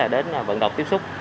đến vận động tiếp xúc